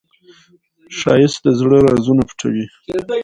ښایست د زړه رازونه پټوي